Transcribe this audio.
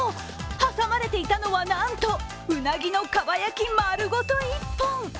挟まれていたのはなんとうなぎのかば焼き、まるごと１本！